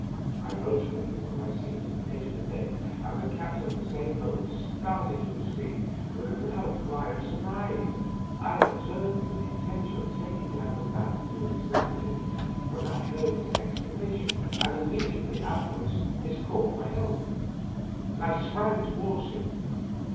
I rose quickly from my seat on the edge of the bed, and the captain at the same moment started to his feet with a loud cry of surprise. I had turned with the intention of taking down the lantern to examine it, when I heard his exclamation, and immediately afterward his call for help. I sprang toward him.